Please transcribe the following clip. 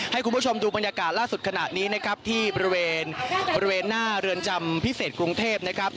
ให้คุณผู้ชมดูบรรยากาศล่าสุดขนาดนี้ที่บริเวณหน้าเรือนจำพิเศษกรุงเทพ